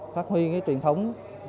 phát huy những truyền thống